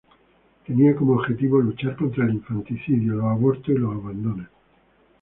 Tenía como objetivo luchar contra el infanticidio, los abortos y los abandonos.